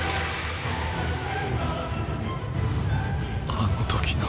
あの時の。